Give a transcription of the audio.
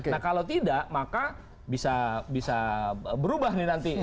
nah kalau tidak maka bisa berubah nih nanti